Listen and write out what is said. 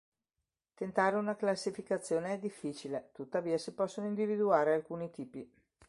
Tentare una classificazione è difficile, tuttavia si possono individuare alcuni tipi.